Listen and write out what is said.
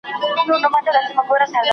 ¬ توکل ئې نر دئ.